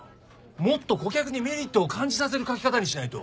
もっと顧客にメリットを感じさせる書き方にしないと！